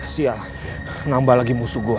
sial menambah lagi musuh gua